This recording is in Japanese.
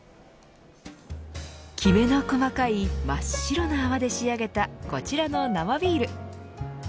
きめの細かい真っ白な泡で仕上げたこちらの生ビール。